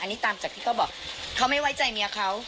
อันนี้ตามจากที่เขาบอกเขาไม่ไว้ใจเมียเขา